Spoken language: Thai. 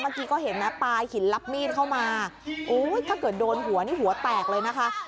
เมื่อกี้ก็เห็นนะปลาหินรับมีดเข้ามาโอ้ยถ้าเกิดโดนหัวนี่หัวแตกเลยนะคะ